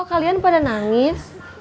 kok kalian pada nangis